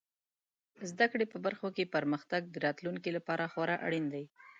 زده کړې په برخو کې پرمختګ د راتلونکي لپاره خورا اړین دی.